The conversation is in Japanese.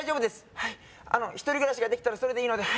はいあの１人暮らしができたらそれでいいのでは